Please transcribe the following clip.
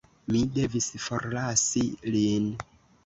Mi devis forlasi lin.